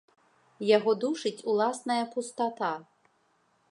Яго душыць уласная пустата.